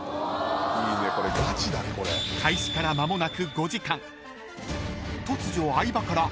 ［開始から間もなく５時間］